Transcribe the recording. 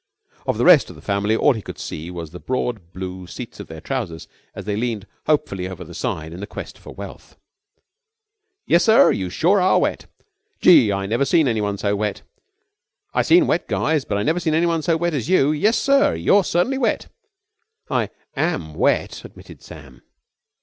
Of the rest of the family all he could see was the broad blue seats of their trousers as they leaned hopefully over the side in the quest for wealth. "Yessir! You sure are wet! Gee! I never seen anyone so wet! I seen wet guys, but I never seen anyone so wet as you. Yessir, you're certainly wet!" "I am wet," admitted Sam.